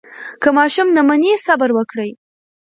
که ماشوم نه مني، صبر وکړئ.